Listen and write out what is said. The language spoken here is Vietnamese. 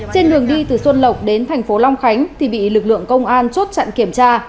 trên đường đi từ xuân lộc đến thành phố long khánh thì bị lực lượng công an chốt chặn kiểm tra